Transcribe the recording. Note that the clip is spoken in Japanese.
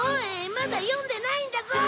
まだ読んでないんだぞ！